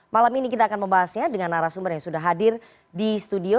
malam ini kita akan membahasnya dengan arah sumber yang sudah hadir di studio